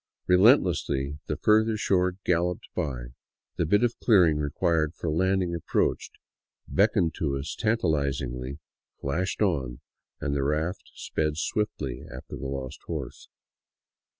Relentlessly the further shore galloped by. The bit of clearing required for land ing approached, beckoned to us tantalizingly, flashed on, and the raft sped swiftly after the lost horse.